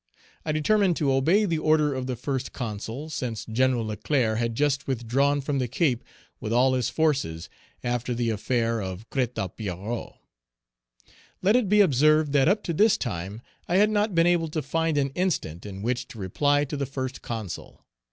I determined to obey the order of the First Consul, since Gen. Leclerc had just withdrawn from the Cape with all his forces, after the affair of Crête à Pierrot. Let it be observed that up to this time I had not been able to find an instant in which to reply to the First Consul.